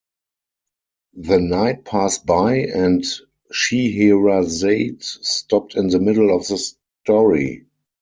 The night passed by, and Scheherazade stopped in the middle of the story.